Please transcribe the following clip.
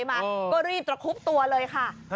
มาก็รีบตระคุบตัวเลยค่ะ